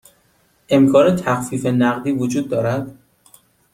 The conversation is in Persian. امکان تخفیف نقدی وجود دارد؟